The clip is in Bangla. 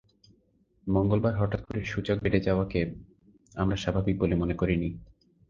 মঙ্গলবার হঠাৎ করে সূচক বেড়ে যাওয়াকে আমরা স্বাভাবিক বলে মনে করিনি।